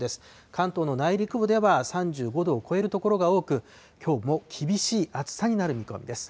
関東の内陸部では３５度を超える所が多く、きょうも厳しい暑さになる見込みです。